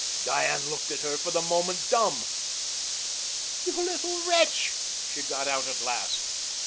Diane looked at her, for the moment dumb. "You little wretch!" she got out at last.